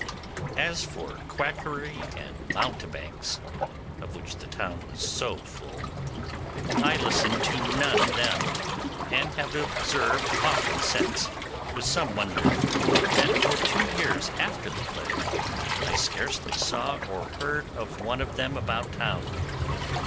As for quackery and mountebanks, of which the town was so full, I listened to none of them, and have observed often since, with some wonder, that for two years after the plague I scarcely saw or heard of one of them about town.